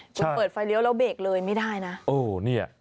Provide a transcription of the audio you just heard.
เล็งไฟเลี้ยวแล้วเบรกเลยไม่ได้นะ